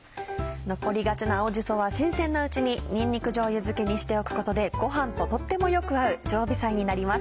残りがちな青じそは新鮮なうちににんにくじょうゆ漬けにしておくことでご飯ととっても良く合う常備菜になります。